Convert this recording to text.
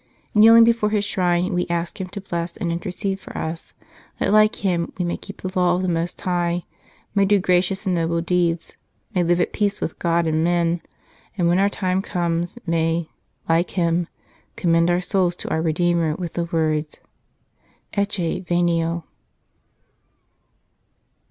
Kneeling before his shrine, we ask him to bless and intercede for us, that like him we may keep the law of the Most High, may do gracious and noble deeds, may live at peace with God and men, and when our time comes may, like him, commend our souls to our Redeemer with the words, " Ecce venio."